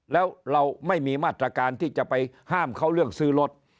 แล้วเราไม่มีมาตรการที่จะไปห้ามเขาเรื่องซื้อรถ